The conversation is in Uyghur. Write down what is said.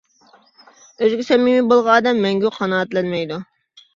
ئۆزىگە سەمىمىي بولغان ئادەم مەڭگۈ قانائەتلەنمەيدۇ.